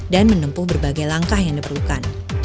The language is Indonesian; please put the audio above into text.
dan menempuh berbagai langkah yang diperlukan